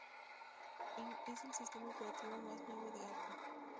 Es el sistema operativo más nuevo de Apple.